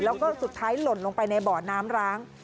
แล้วก็สุดท้ายหล่นลงไปในบ่อน้ำร้าง